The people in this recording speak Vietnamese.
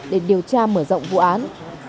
để điều tra mở rộng vụ án